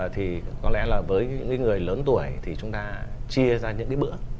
thì có lẽ là với những người lớn tuổi thì chúng ta chia ra những cái bữa